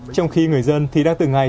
trong khi người dân thì đang từng ngày